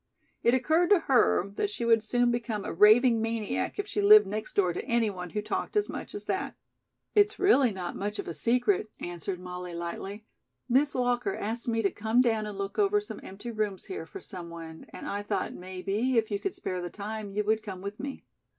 It occurred to her that she would soon become a raving maniac if she lived next door to anyone who talked as much as that. "It's really not much of a secret," answered Molly lightly. "Miss Walker asked me to come down and look over some empty rooms here for someone, and I thought, maybe, if you could spare the time you would come with me."